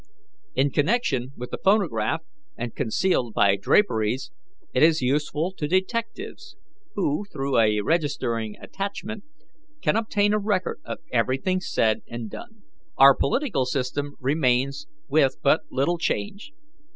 In connection with the phonograph and concealed by draperies, it is useful to detectives, who, through a registering attachment, can obtain a record of everything said and done. "Our political system remains with but little change.